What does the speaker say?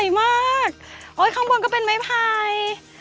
ไม้ไผ่มากข้างบนก็เป็นไม้ไผ่